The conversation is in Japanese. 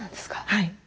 はい。